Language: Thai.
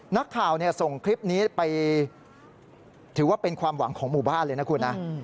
นักข่าวส่งคลิปนี้ไปถือว่าเป็นความหวังของหมู่บ้านเลยนะคุณนะ